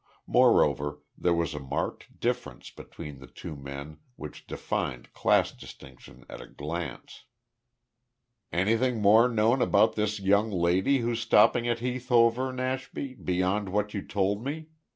Moreover, there was a marked difference between the two men which defined class distinction at a glance. "Anything more known about this young lady who's stopping at Heath Hover, Nashby, beyond what you told me?"